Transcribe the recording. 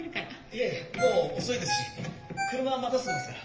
いえもう遅いですし車待たせてますから。